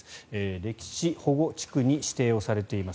歴史保護地区に指定されています。